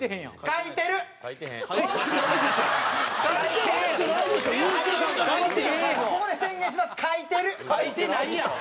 書いてないやん！